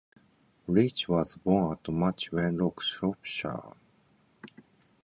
Leach was born at Much Wenlock, Shropshire.